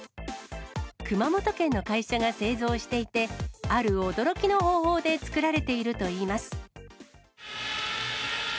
熊本県の会社が製造していて、ある驚きの方法で作られているといいます。